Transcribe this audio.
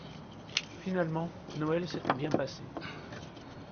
Finalement, Noël s’était bien passé.